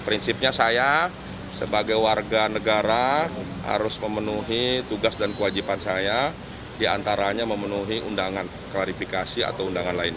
prinsipnya saya sebagai warga negara harus memenuhi tugas dan kewajiban saya diantaranya memenuhi undangan klarifikasi atau undangan lainnya